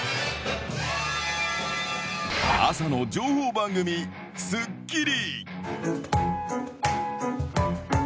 朝の情報番組、スッキリ。